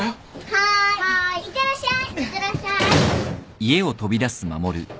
はいいってらっしゃい。